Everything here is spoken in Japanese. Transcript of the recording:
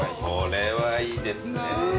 これはいいですね。